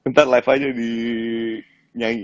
ntar live aja di nyanyi